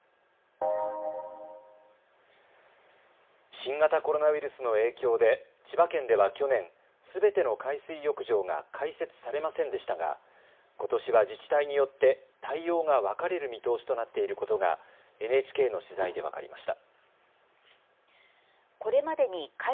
新型コロナウイルスの影響で千葉県では去年、すべての海水浴場が開設されませんでしたがことしは自治体によって対応が分かれる見通しとなっていることがＮＨＫの取材で分かりました。